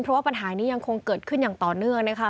เพราะว่าปัญหานี้ยังคงเกิดขึ้นอย่างต่อเนื่องนะคะ